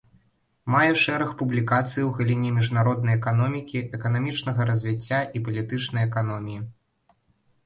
Мае шэраг публікацый у галіне міжнароднай эканомікі, эканамічнага развіцця, і палітычнай эканоміі.